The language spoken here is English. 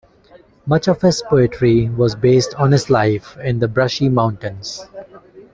Much of his poetry was based on his life in the Brushy Mountains.